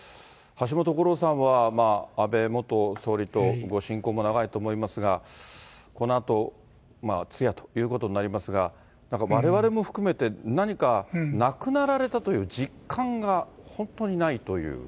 橋本五郎さんは安倍元総理とご親交も長いと思いますが、このあと通夜ということになりますが、なんかわれわれも含めて、何か亡くなられたという実感が本当にないという。